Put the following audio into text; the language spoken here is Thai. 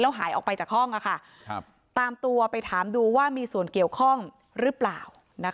หายออกไปจากห้องตามตัวไปถามดูว่ามีส่วนเกี่ยวข้องหรือเปล่า